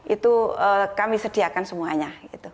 itu kami sediakan semuanya